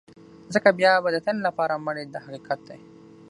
ځکه بیا به د تل لپاره مړ یې دا حقیقت دی.